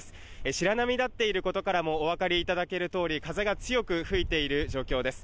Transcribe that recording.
白波だっていることからもお分かりいただける通り、風が強く吹いている状況です。